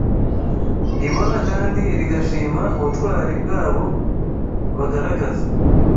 ribona kandi rigashima ubutwari bwabo bagaragaza